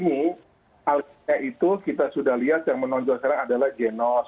misalnya itu kita sudah lihat yang menonjol sekarang adalah genos